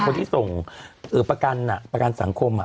คนที่ส่งประกันสังคม